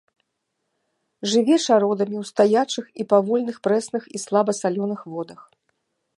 Жыве чародамі ў стаячых і павольных прэсных і слаба салёных водах.